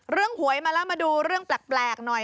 หวยมาแล้วมาดูเรื่องแปลกหน่อย